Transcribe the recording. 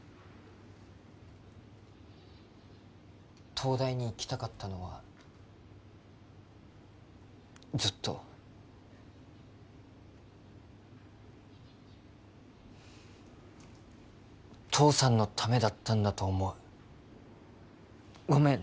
東大に行きたかったのはずっと父さんのためだったんだと思うごめん